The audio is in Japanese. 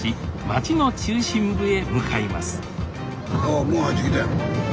あもう入ってきたやん。